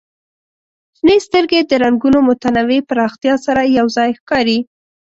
شنې سترګې د رنګونو متنوع پراختیا سره یو ځای ښکاري.